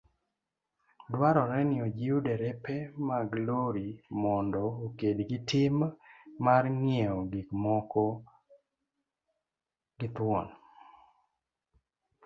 Dwaroreniojiwderepemaglorimondookedgitim marng'iewogikmokogithuon.